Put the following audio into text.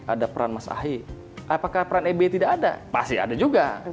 ada peran mas ahi apakah peran eb tidak ada masih ada juga